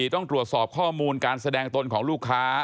ต้องตรวจสอบข้อมูลการแสดงตนของลูกค้า